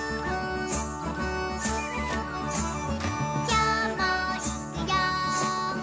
「きょうもいくよ！」